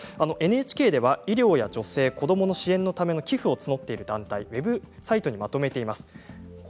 ＮＨＫでは医療や女性、子どもの支援のための寄付を募っている団体をウェブサイトにまとめています。